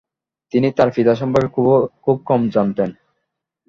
তিনি তার পিতা সম্পর্কে খুব কমই জানতেন।